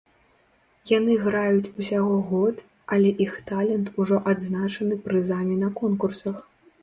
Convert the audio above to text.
Яны граюць усяго год, але іх талент ужо адзначаны прызамі на конкурсах.